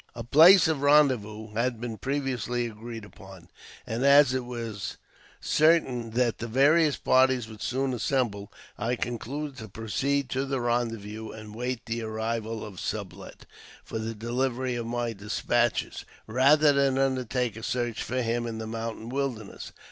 A place of rendezvous had been previously agreed upon, and as it was certain that the various parties would soon assemble, I concluded to proceed to the rendezvous, and wait the arrival of Sublet, for the delivery of my despatches, rather than undertake a search for him in the mountain wilderness.